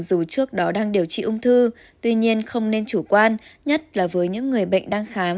dù trước đó đang điều trị ung thư tuy nhiên không nên chủ quan nhất là với những người bệnh đang khám